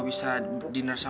makanya ibarat tuh